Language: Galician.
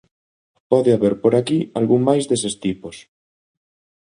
Pode haber por aquí algún máis deses tipos.